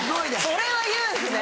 それは言うんですね。